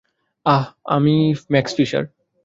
আমি, ah, Max fisher.